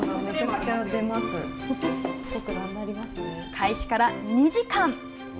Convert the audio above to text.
開始から２時間。